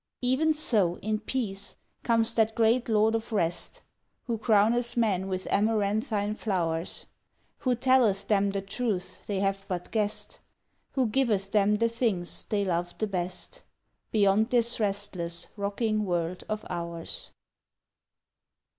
Even so, in peace, comes that great Lord of rest Who crowneth men with amaranthine flowers; Who telleth them the truths they have but guessed, Who giveth them the things they love the best, Beyond this restless, rocking world of ours.